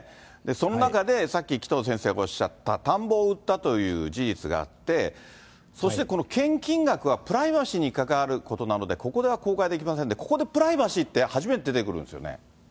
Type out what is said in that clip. その中で、さっき紀藤先生がおっしゃった、田んぼを売ったという事実があって、そしてこの献金額はプライバシーに関わることなのでここでは公開できませんって、ここでプライバシーって、初めて出てくるんです